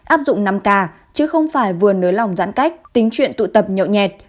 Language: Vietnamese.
áp dụng năm k chứ không phải vừa nới lòng giãn cách tính chuyện tụ tập nhộn nhẹt